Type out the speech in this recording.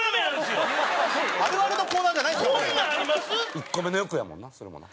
１個目の欲やもんなそれもな。